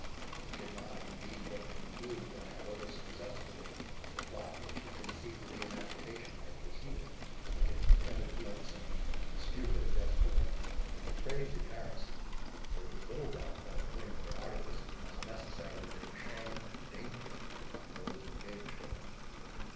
He could not indeed but conclude, that however successfully the plot which he conceived to be in agitation had proceeded against the timid Bletson, the stupid Desborough, and the crazy Harrison, there was little doubt that at length their artifices must necessarily bring shame and danger on those engaged in it.